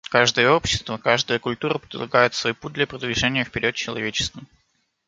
Каждое общество, каждая культура предлагает свой путь для продвижения вперед человечества.